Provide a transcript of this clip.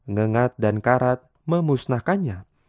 nengat dan karat memusnahkannya